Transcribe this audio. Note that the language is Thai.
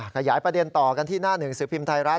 ขยายประเด็นต่อกันที่หน้าหนึ่งสือพิมพ์ไทยรัฐ